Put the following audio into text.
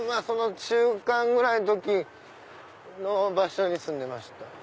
その中間ぐらいの時の場所に住んでました。